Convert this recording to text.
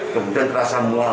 kemudian terasa mual